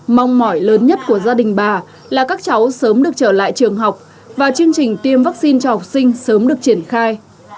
mong mỏi lớn nhất của gia đình bà là các cháu sớm được trở lại trường học và chương trình tiêm vaccine cho học sinh sớm được triển khai